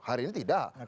hari ini tidak